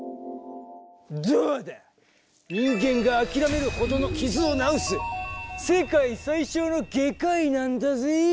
どうだ人間が諦めるほどの傷を治す世界最小の外科医なんだぜ。